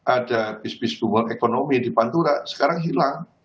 ada bis bis boomer ekonomi di pantura sekarang hilang